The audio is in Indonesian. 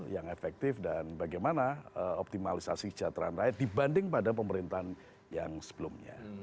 yang efektif dan bagaimana optimalisasi kejateraan rakyat dibanding pada pemerintahan yang sebelumnya